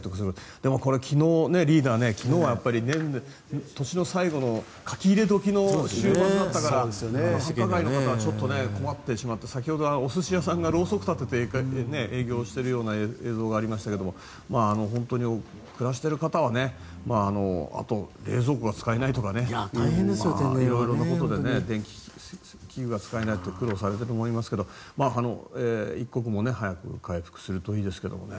でも、これは昨日リーダー昨日は都市の最後の書き入れ時の週末だったから繁華街の方はちょっと困ってしまって先ほどお寿司屋さんがろうそくを立てて営業しているような映像がありましたが本当に暮らしている方はあと冷蔵庫が使えないとか色々なことで電気器具が使えないと苦労されていると思いますが一刻も早く回復するといいですけどね。